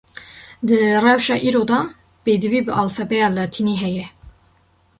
Di rewşa îro de, pêdivî bi alfabêya latînî heye